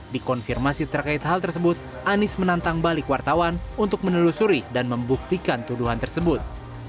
dikonfirmasi terkait hal tersebut anies menantang balik wartawan untuk menelusuri dan membuktikan tuduhan tersebut